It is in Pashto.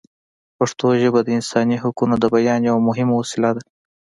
پښتو ژبه د انساني حقونو د بیان یوه مهمه وسیله ده.